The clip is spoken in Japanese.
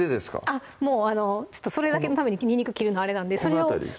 あっもうちょっとそれだけのためににんにく切るのあれなんでこの辺り？